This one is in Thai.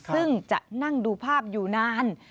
ซึ่งจะนั่งดูภาพอยู่นาน